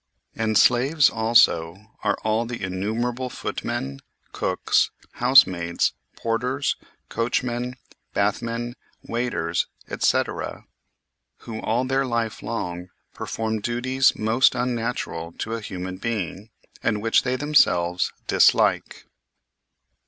And slaves also are all the innumerable footmen, cooks, house maids, porters, coachmen, bath men, waiters, etc., who all their life long perform duties most unnatural to a human being, and which they themselves dislike.